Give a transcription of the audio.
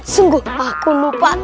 sungguh aku lupa